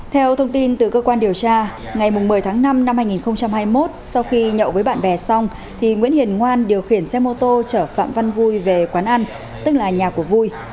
theo thông tin từ cơ quan điều tra ngày một mươi tháng năm năm hai nghìn hai mươi một sau khi nhậu với bạn bè xong thì nguyễn hiền ngoan điều khiển xe mô tô chở phạm văn vui về quán ăn tức là nhà của vui